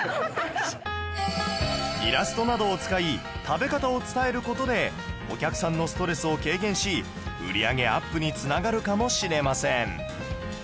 イラストなどを使い食べ方を伝える事でお客さんのストレスを軽減し売り上げアップに繋がるかもしれません